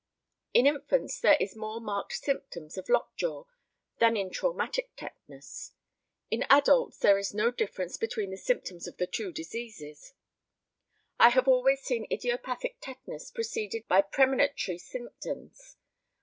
In infants there is a more marked symptom of lockjaw than in traumatic tetanus. In adults there is no difference between the symptoms of the two diseases. I have always seen idiopathic tetanus preceded by premonitory symptoms.